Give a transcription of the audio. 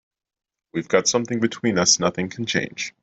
We've got something between us nothing can change.